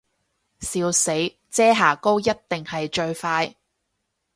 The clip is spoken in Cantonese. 笑死，遮瑕膏一定係最快